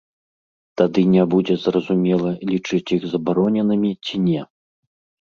Тады не будзе зразумела, лічыць іх забароненымі, ці не.